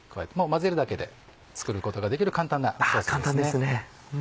混ぜるだけで作ることができる簡単なソースですね。